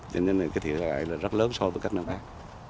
cho nên là cái thiệt cãi là rất lớn so với các năm trước